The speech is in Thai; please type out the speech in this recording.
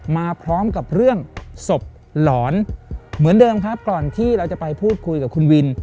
มาพร้อมกับเรื่องศพหลอนเหมือนเดิมครับก่อนที่เราจะไปพูดคุยกับคุณวิน